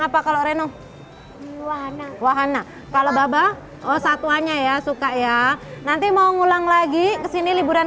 apa kalau reno wahana kalau baba oh satuannya ya suka ya nanti mau ngulang lagi sini liburan